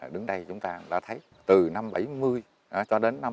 đứng đây chúng ta đã thấy từ năm bảy mươi cho đến năm bảy mươi năm